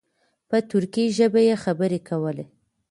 په ترکي ژبه یې خبرې کولې.